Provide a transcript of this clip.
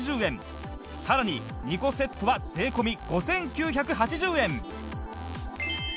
さらに２個セットは税込５９８０円